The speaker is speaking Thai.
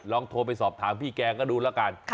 ลองโทรไปสอบถามพี่แกก็ดูแล้วกัน